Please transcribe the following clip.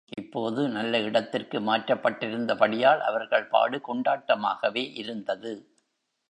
இப்போது நல்ல இடத்திற்கு மாற்றப்பட்டிருந்த படியால் அவர்கள் பாடு கொண்டாட்டமாகவே இருந்தது.